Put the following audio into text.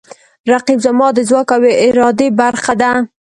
رقیب زما د ځواک او ارادې برخه ده